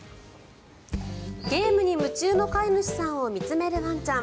ゲームに夢中の飼い主さんを見つめるワンちゃん。